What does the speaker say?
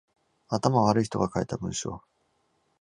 頭悪い人が書いた文章